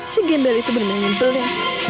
si gembel itu bener bener nyebel ya